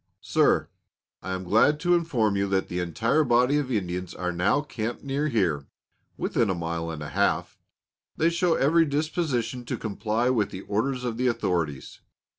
Sir: I am glad to inform you that the entire body of Indians are now camped near here (within a mile and a half). They show every disposition to comply with the orders of the authorities.